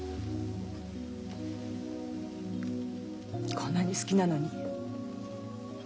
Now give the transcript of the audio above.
こんなに好きなのに。